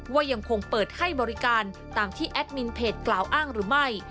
ว่ายังคงเปิดให้บริการตามที่แอดมินเพจกล่าวอ้างหรือไม่